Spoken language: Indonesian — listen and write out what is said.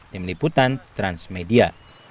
di meliputan transmedia